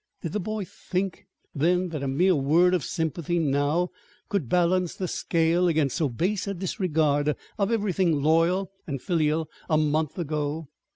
Did the boy think, then, that a mere word of sympathy now could balance the scale against so base a disregard of everything loyal and filial a month ago?